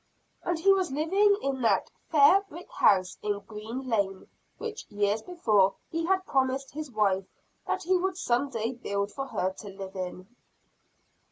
And he was living in that "fair brick house in Green lane," which, years before, he had promised his wife that he would some day build for her to live in.